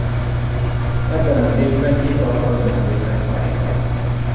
Ebben az évben hét alkalommal lépett pályára.